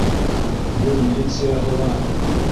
Был милицияһы ла...